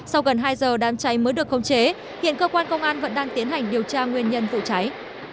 sau gần hai giờ đám cháy mới được khống chế hiện cơ quan công an vẫn đang tiến hành điều tra nguyên nhân vụ cháy